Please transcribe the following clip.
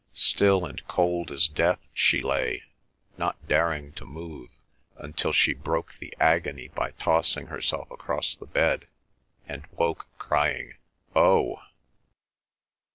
Still and cold as death she lay, not daring to move, until she broke the agony by tossing herself across the bed, and woke crying "Oh!"